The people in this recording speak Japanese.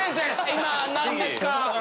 今何ですか？